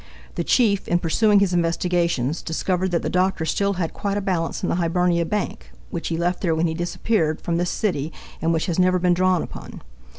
The Chief, in pursuing his investigations, discovered that the doctor still had quite a balance in the Hibernia Bank, which he left there when he disappeared from this city, and which has never been drawn upon.